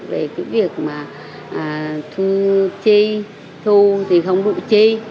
về cái việc mà thu chi thu thì không đủ chi